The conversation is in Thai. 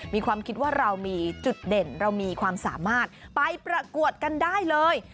มีความคิดว่าเรามีจุดเด่นเรามีความสามารถไปประกวดกันได้เลย